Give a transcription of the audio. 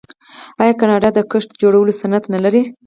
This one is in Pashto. آیا کاناډا د کښتیو جوړولو صنعت نلري؟